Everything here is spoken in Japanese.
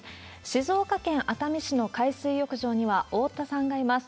静岡県熱海市の海水浴場には大田さんがいます。